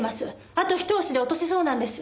あとひと押しで落とせそうなんです。